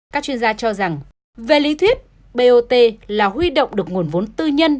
các chuyên gia cho rằng về lý thuyết bot là huy động được nguồn vốn tư nhân